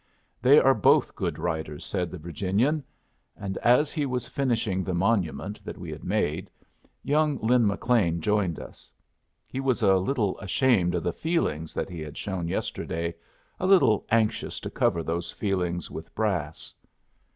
"They are both good writers," said the Virginian. And as he was finishing the monument that we had made, young Lin McLean joined us. He was a little ashamed of the feelings that he had shown yesterday, a little anxious to cover those feelings with brass.